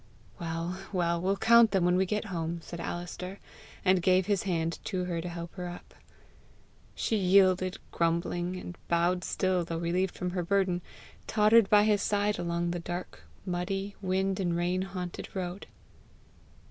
"Well, well! we'll count them when we get home!" said Alister, and gave his hand to her to help her up. She yielded grumbling, and, bowed still though relieved from her burden, tottered by his side along the dark, muddy, wind and rain haunted road.